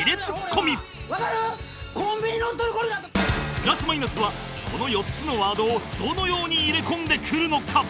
プラス・マイナスはこの４つのワードをどのように入れ込んでくるのか？